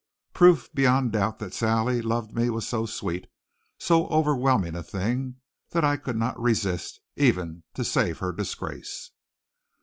Proof beyond doubt that Sally loved me was so sweet, so overwhelming a thing, that I could not resist, even to save her disgrace.